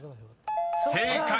［正解！